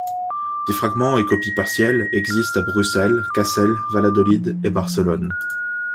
Des fragments et copies partielles existent à Bruxelles, Cassel, Valladolid et Barcelone.